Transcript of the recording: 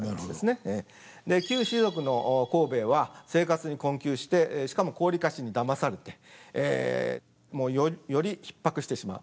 旧士族の幸兵衛は生活に困窮してしかも高利貸しにだまされてよりひっ迫してしまう。